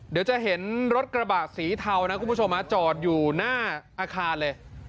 เดี๋ยวจะเห็นรถกระบะสีเทานะคุณผู้ชมจอดอยู่หน้าอาคารเลย